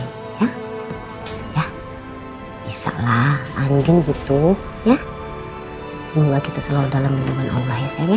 disini ya ya bisa lah angin gitu ya semua kita selalu dalam ilmu allah ya sayang ya